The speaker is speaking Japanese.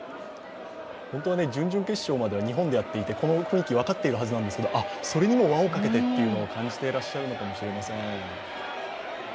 ホントは準々決勝までは日本でやっていて、この空気、分かっているはずなんですがそれにも輪をかけてというのを感じていらっしゃるのかもしれません。